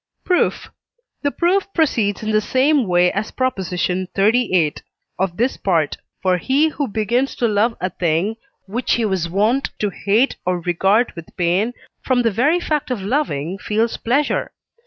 Proof. The proof proceeds in the same way as Prop. xxxviii. of this Part: for he who begins to love a thing, which he was wont to hate or regard with pain, from the very fact of loving feels pleasure.